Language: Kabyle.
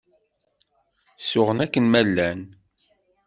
Suɣen akken ma llan.